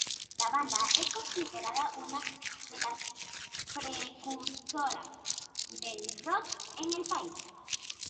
La banda es considerada una de las precursoras del rock en el país.